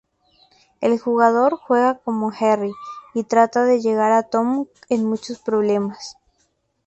El jugador juega como Jerry y trata de llegar a Tom en muchos problemas.